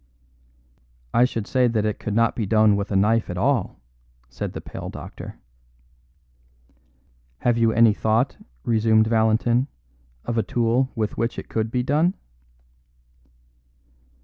"I should say that it could not be done with a knife at all," said the pale doctor. "Have you any thought," resumed Valentin, "of a tool with which it could be done?"